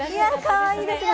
かわいいですね。